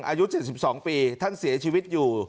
อายุ๗๒ปีท่านเสียชีวิตอยู่